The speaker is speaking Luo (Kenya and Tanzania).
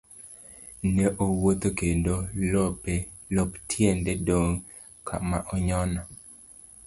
Ne owuotho kendo lop tiende dong' kama onyono.